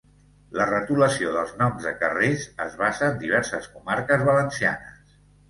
La retolació dels noms de carrers es basa en diverses comarques valencianes.